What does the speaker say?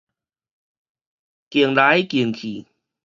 勁來勁去